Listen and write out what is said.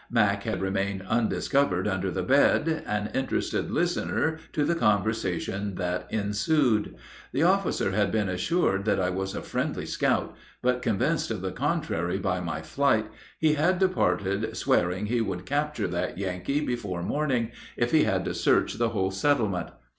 Mack had remained undiscovered under the bed, an interested listener to the conversation that ensued. The officer had been assured that I was a friendly scout; but, convinced of the contrary by my flight, he had departed swearing he would capture that Yankee before morning if he had to search the whole settlement.